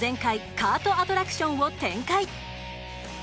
カートアトラクション」を展開。